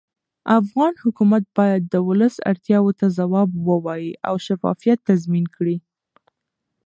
افغان حکومت باید د ولس اړتیاوو ته ځواب ووایي او شفافیت تضمین کړي